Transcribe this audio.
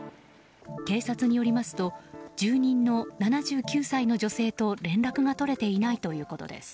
警察によりますと住人の７９歳の女性と連絡が取れていないということです。